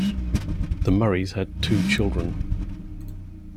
The Murrays had two children.